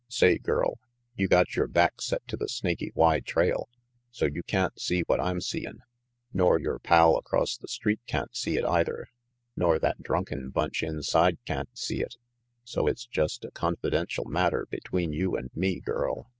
"Say, girl, you got your back set to the Snaky Y trail, so you can't see what I'm seein'. Nor your pal across the street can't see it either. Nor that drunken bunch inside can't see it. So it's just a confidential matter between you and me, girl."